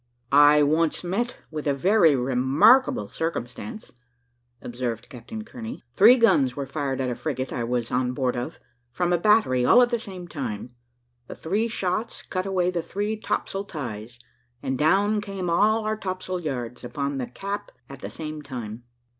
"I once met with a very remarkable circumstance," observed Captain Kearney. "Three guns were fired at a frigate I was on board of, from a battery, all at the same time. The three shots cut away the three topsail ties, and down came all our topsail yards upon the cap at the same time.